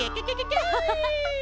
ハハハハ！